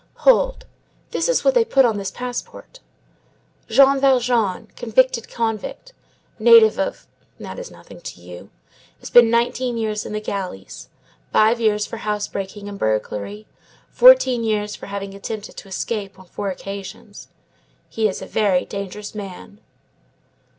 Hold, this is what they put on this passport: 'Jean Valjean, discharged convict, native of'—that is nothing to you—'has been nineteen years in the galleys: five years for house breaking and burglary; fourteen years for having attempted to escape on four occasions. He is a very dangerous man.